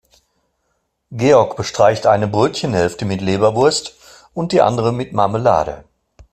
Georg bestreicht eine Brötchenhälfte mit Leberwurst und die andere mit Marmelade.